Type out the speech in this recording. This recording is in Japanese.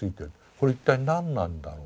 これ一体何なんだろう。